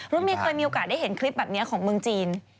รถเมย์เคยมีโอกาสได้เห็นคลิปแบบนี้ของเมืองจีน